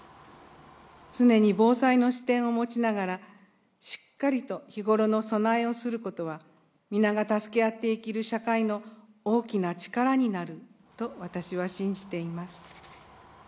常に防災の視点を持ちながら、しっかりと日頃の備えをすることは、皆が助け合って生きる社会の大きな力になると私は信じています。